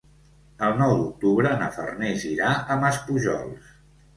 El nou d'octubre na Farners irà a Maspujols.